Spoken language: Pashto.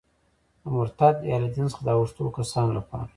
د مرتد یا له دین څخه د اوښتو کسانو لپاره.